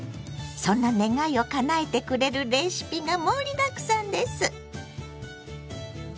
そんな願いをかなえてくれるレシピが盛りだくさんです！